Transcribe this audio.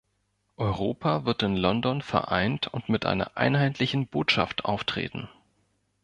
Europa wird in London vereint und mit einer einheitlichen Botschaft auftreten.